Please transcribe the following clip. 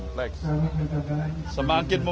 pak ini pak ini pak